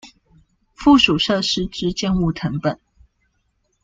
附屬設施之建物謄本